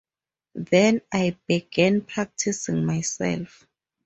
Then I began practicing myself.